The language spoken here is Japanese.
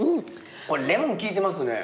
これレモン効いてますね。